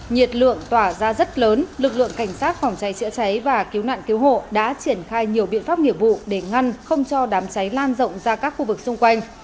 nhiệt lượng tỏa ra rất lớn lực lượng cảnh sát phòng cháy chữa cháy và cứu nạn cứu hộ đã triển khai nhiều biện pháp nghiệp vụ để ngăn không cho đám cháy lan rộng ra các khu vực xung quanh